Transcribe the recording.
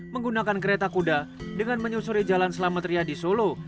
menggunakan kereta kuda dengan menyusuri jalan selametria di solo